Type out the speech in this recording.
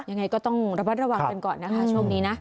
ยังไงก็ต้องระมัดระวังกันก่อนนะคะช่วงนี้นะ